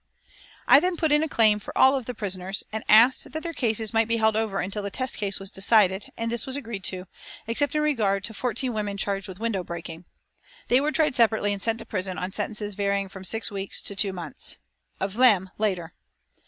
I then put in a claim for all the prisoners, and asked that all their cases might be held over until the test case was decided, and this was agreed to, except in regard to fourteen women charged with window breaking. They were tried separately and sent to prison on sentences varying from six weeks to two months. Of them later.